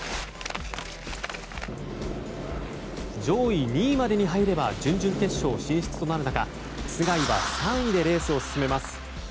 上位２位までに入れば準々決勝進出となる中須貝は３位でレースを進めます。